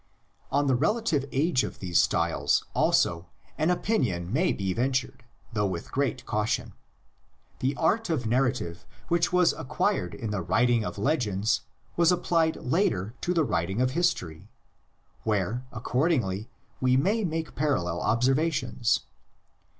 On the relative age of these styles, also, an opin ion may be ventured, though with great caution. The art of narrative which was acquired in the writ ing of legends was applied later to the writing of history, where, accordingly, we may make parallel observations.